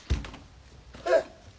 えっ？